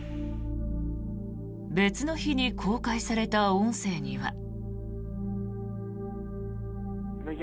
別の日に公開された音声には。